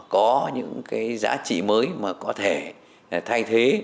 có những cái giá trị mới mà có thể thay thế